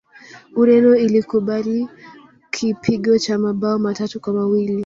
ureno ilikubali kipigo cha mabao matatu kwa mawili